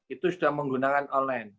itu sudah menggunakan online